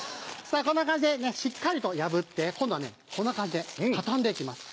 こんな感じでしっかりと破って今度はこんな感じで畳んで行きます。